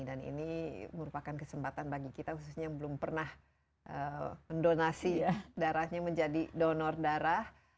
dan ini merupakan kesempatan bagi kita khususnya yang belum pernah mendonasi darahnya menjadi donor darah